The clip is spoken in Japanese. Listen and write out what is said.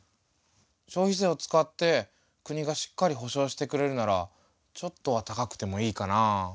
消費税を使って国がしっかり保障してくれるならちょっとは高くてもいいかなあ。